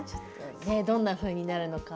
どんなふうになるのか